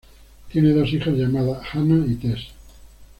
Tiene dos hijas, llamadas Hannah y Tess.